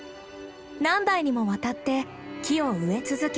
何代にもわたって木を植え続け